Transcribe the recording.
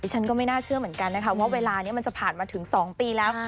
ฉันก็ไม่น่าเชื่อเหมือนกันนะคะว่าเวลานี้มันจะผ่านมาถึง๒ปีแล้ว